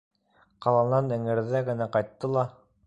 Ҡаланан эңерҙә генә ҡайтты ла...